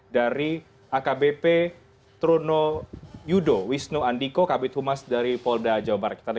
dari akbp truno yudo wisnu andiko kabit humas dari polda jawa barat